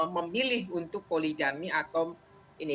memilih untuk poligami atau ini